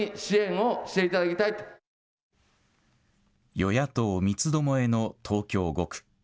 与野党三つどもえの東京５区。